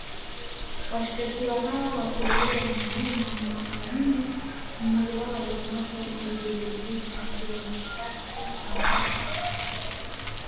Washtakiwa hao wa kiraia ni pamoja na wanawake wanne, mmoja wao alikamatwa mwezi uliopita akiwa na risasi ambazo